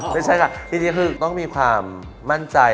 ไม่ใช่ค่ะทีนี้คือต้องมีความมั่นใจ